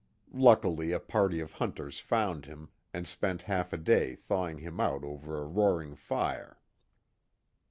Luckily a party of hunters found him and spent half a day thawing him out over a roaring fire.